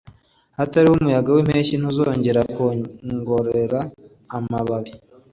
Hatariho umuyaga wimpeshyi ntuzongera kwongorera amababi